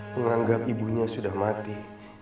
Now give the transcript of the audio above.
menganggap ibunya sudah mati